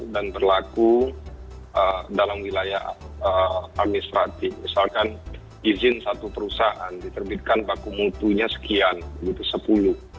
dan berlaku dalam wilayah administratif misalkan izin satu perusahaan diterbitkan baku mutunya sekian gitu sepuluh